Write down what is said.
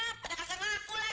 padahal gak sama aku lagi